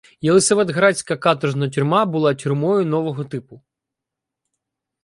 Єлисаветградська каторжна тюрма була тюрмою нового типу.